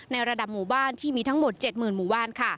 ระดับหมู่บ้านที่มีทั้งหมด๗๐๐หมู่บ้าน